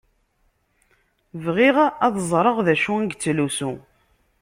Bɣiɣ ad ẓṛeɣ dacu i yettlusu.